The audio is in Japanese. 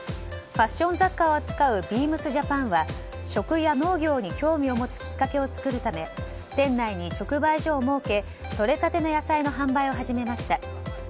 ファッション雑貨を扱うＢＥＡＭＳＪＡＰＡＮは食や農業に興味を持つきっかけを作るため店内に直売所を設けとれたての野菜の販売を始めました。